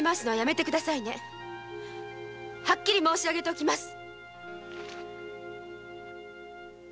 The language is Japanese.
はっきり申し上げておきます。